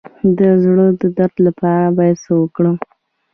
د زړه د درد لپاره باید څه وکړم؟